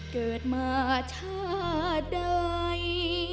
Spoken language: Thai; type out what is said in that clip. เกิดมาเท่าไหร่